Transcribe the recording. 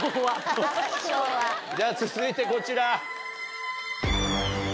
じゃ続いてこちら。